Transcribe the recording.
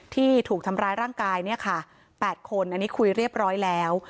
ที่ถูกทำร้ายร่างกายเนี่ยค่ะ๘คนอันนี้คุยเรียบร้อยแล้ว